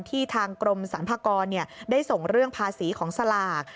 ทางกรมสรรพากรได้ส่งเรื่องภาษีของสลาก